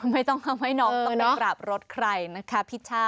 ไม่ต้องเอาให้น้องต้องกราบรถใครนะคะ